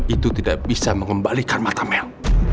itu tidak bisa mengembalikan mata mel